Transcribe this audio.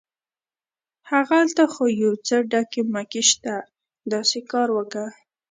هغلته خو یو څه ډکي مکي شته، داسې کار وکه.